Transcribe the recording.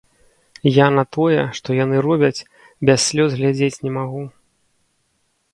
Я на тое, што яны робяць, без слёз глядзець не магу.